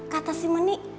kata si menik